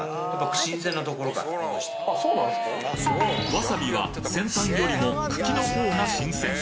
わさびは先端よりも茎のほうが新鮮。